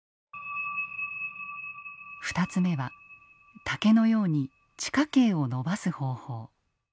２つ目は竹のように地下茎を伸ばす方法。